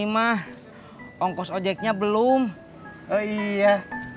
ini mah ongkos ojeknya belum oh iya